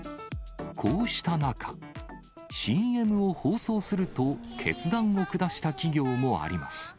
こうした中、ＣＭを放送すると決断を下した企業もあります。